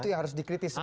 itu yang harus dikritisi